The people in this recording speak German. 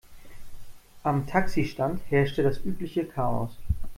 Am Taxistand herrschte das übliche Chaos.